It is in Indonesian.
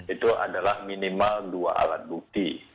itu adalah minimal dua alat bukti